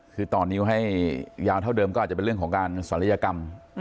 คือต่อนิ้วให้ยาวเท่าเดิมก็อาจจะเป็นเรื่องของการศัลยกรรม